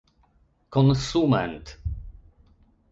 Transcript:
konsument